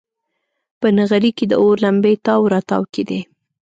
په نغري کې د اور لمبې تاو راتاو کېدې.